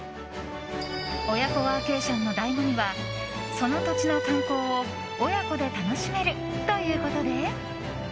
親子ワーケーションのだいご味はその土地の観光を親子で楽しめるということで。